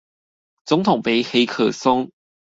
總統盃黑客松